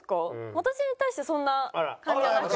私に対してそんな感じじゃなく。